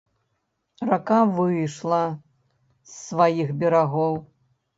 Рака выйшла з сваіх берагоў.